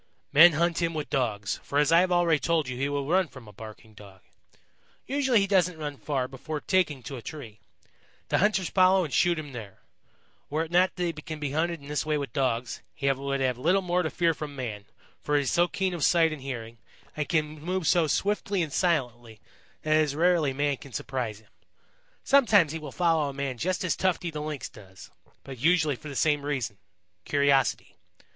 "Men hunt him with Dogs, for as I have already told you he will run from a barking Dog. Usually he doesn't run far before taking to a tree. The hunters follow and shoot him there. Were it not that he can be hunted in this way with Dogs, he would have little to fear from man, for he is so keen of sight and hearing and can move so swiftly and silently, that it is rarely man can surprise him. Sometimes he will follow a man just as Tufty the Lynx does, but usually for the same reason curiosity.